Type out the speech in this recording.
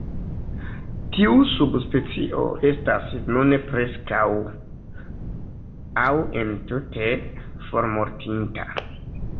Tiu subspecio estas nune "preskaŭ aŭ entute formortinta".